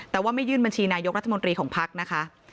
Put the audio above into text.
แต่ว่าไม่ยื่นบัญชีนายกรัฐมนตรีของพักนะคะ